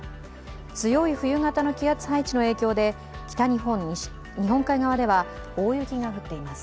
強い冬型の気圧配置の影響で北日本、日本海側では大雪が降っています。